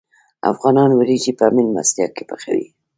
افغانان وریجې په میلمستیا کې پخوي.